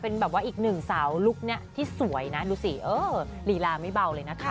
เป็นแบบว่าอีกหนึ่งสาวลุคนี้ที่สวยนะดูสิเออลีลาไม่เบาเลยนะคะ